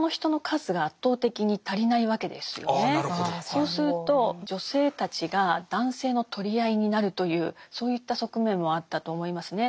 そうすると女性たちが男性の取り合いになるというそういった側面もあったと思いますね。